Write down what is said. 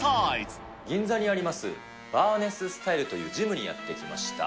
銀座にあります、バーネススタイルというジムにやって来ました。